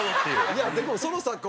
いやでもその作家